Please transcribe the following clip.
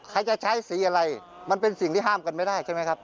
ใครจะใช้สีอะไรมันเป็นสิ่งที่ห้ามกันไม่ได้ใช่ไหมครับ